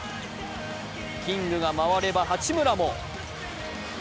キングが回れば八村も。